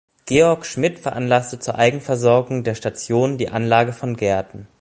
Georg Schmidt veranlasste zur Eigenversorgung der Station die Anlage von Gärten.